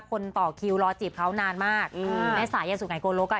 คนต่อคิ้วรอจีบเขานานมากอื้องือแม่สายยังสุดไงกู้ลูกอ่ะ